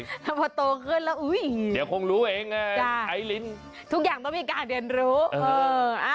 ถ้าเมื่อโตขึ้นแล้วอุ้ยเดี๋ยวคงรู้เองไอลินค่ะทุกอย่างต้องมีการเรียนรู้